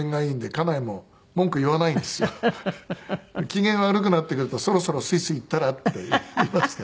機嫌悪くなってくると「そろそろスイス行ったら？」って言いますから。